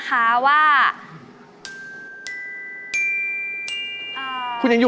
กลับไปก่อนเลยนะครับ